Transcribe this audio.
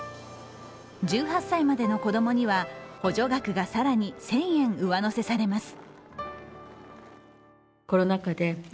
１８歳までの子供には補助額が更に１０００円上乗せされます。